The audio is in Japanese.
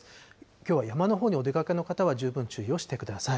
きょうは山のほうにお出かけの方は十分注意をしてください。